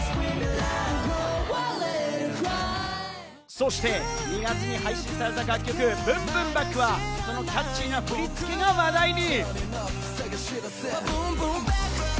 そして２月に配信された歌曲『ＢｏｏｍＢｏｏｍＢａｃｋ』は、そのキャッチーな振り付けが話題に。